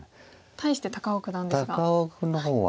対して高尾九段ですが。